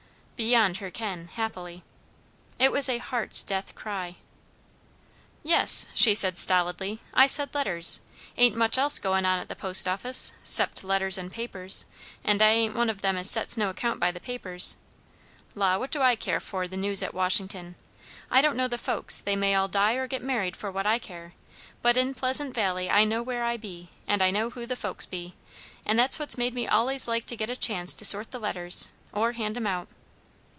Beyond her ken, happily; it was a heart's death cry. "Yes," she said stolidly; "I said letters. Ain't much else goin' at the post office, 'cept letters and papers; and I ain't one o' them as sets no count by the papers. La, what do I care for the news at Washington? I don't know the folks; they may all die or get married for what I care; but in Pleasant Valley I know where I be, and I know who the folks be. And that's what made me allays like to get a chance to sort the letters, or hand 'em out."